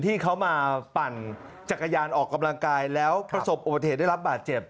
ที่เขามาปั่นจักรยานออกกำลังกายแล้วประสบอุบัติเหตุได้รับบาดเจ็บ